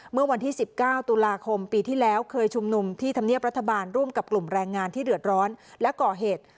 เมื่อวันที่๑๙ตุลาคมปีที่แล้วเคยชุมนุมที่ธรรมเนียบรัฐบาลร่วมกับกลุ่มแรงงานที่เดือดร้อนและก่อเหตุ